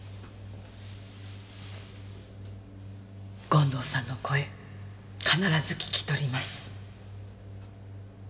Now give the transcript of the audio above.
権藤さんの声必ず聞き取ります。